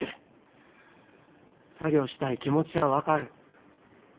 作業したい気持ちは分かる。